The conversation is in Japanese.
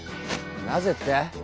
なぜって？